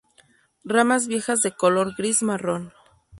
Ramas viejas de color gris-marrón.